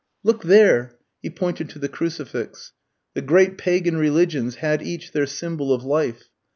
Look there!" he pointed to the crucifix. "The great Pagan religions had each their symbol of life.